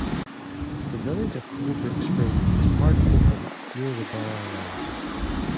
The village of Coldbrook Springs is part of Oakham, near the Barre line.